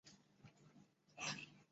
因此康德也无法宣称物自体的存在。